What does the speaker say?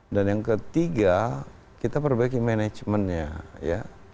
dan yang ketiga kita perbaiki manajemennya